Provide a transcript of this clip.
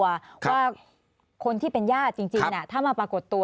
ว่าคนที่เป็นญาติจริงถ้ามาปรากฏตัว